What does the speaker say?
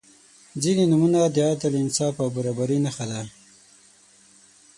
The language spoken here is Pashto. • ځینې نومونه د عدل، انصاف او برابري نښه ده.